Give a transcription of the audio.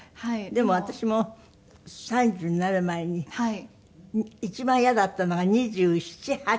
でも私も３０になる前に一番嫌だったのが２７２８